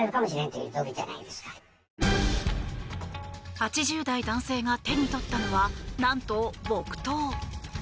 ８０代男性が手に取ったのは何と木刀。